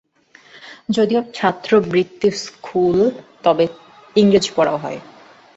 যদিও ছাত্রবৃত্তিস্কুল তবে ইংরাজি পড়াও হয়।